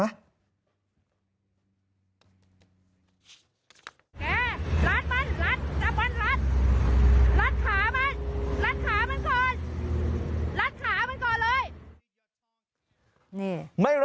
แกรัดมันรัดจับมันรัด